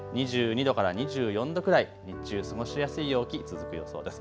２２度から２４度くらい、日中過ごしやすい陽気、続く予想です。